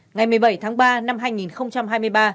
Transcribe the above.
ngày một mươi bảy tháng ba năm hai nghìn bảy